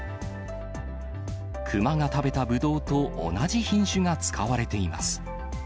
熊が食べたブドウと同じ品種が使われています。